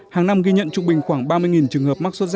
hàng năm ghi nhận trung bình khoảng ba mươi trường hợp mắc sốt z